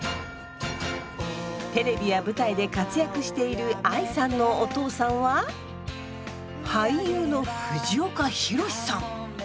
テレビや舞台で活躍している愛さんのお父さんは俳優の藤岡弘、さん。